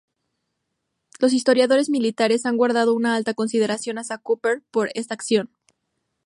Los historiadores militares han guardado una alta consideración hacia Cooper por esta acción.